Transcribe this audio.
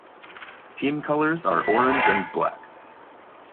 Team colors are orange and black.